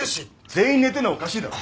全員寝てるのはおかしいだろ。